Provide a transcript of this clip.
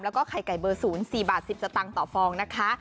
แล้วก็ไข่ไก่เบอร์ศูนย์๔บาท๑๐ต่างต่อฟองนะคะ